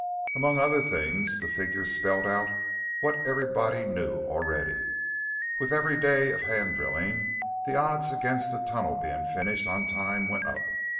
Among other things, the figures spelled out what everybody knew already: with every day of hand drilling, the odds against the tunnel being finished on time went up.